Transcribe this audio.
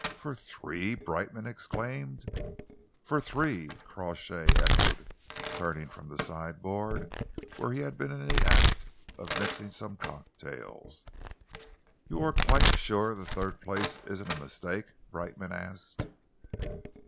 "For three?" Brightman exclaimed. "For three?" Crawshay echoed, turning from the sideboard, where he had been in the act of mixing some cocktails. "You are quite sure the third place isn't a mistake?" Brightman asked.